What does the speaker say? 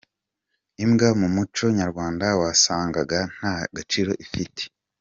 Imbwa mu muco nyarwanda wasangaga nta gaciro ifite.